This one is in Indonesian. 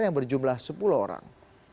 yang berjumlah sepuluh orang